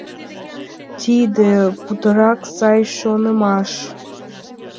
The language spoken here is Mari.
Тиде путырак сай шонымаш!